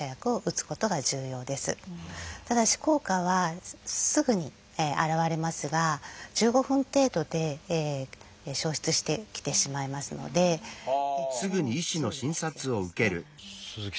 ただし効果はすぐに表れますが１５分程度で消失してきてしまいますのでそれに注意が必要ですね。